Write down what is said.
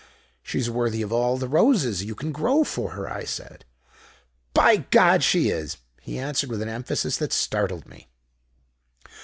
"She's worthy of all the roses you can grow for her,' I said. "'By God, she is!' he answered with an emphasis that startled me.